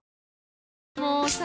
もうさ